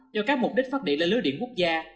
do các mục đích phát điện lên lưới điện quốc gia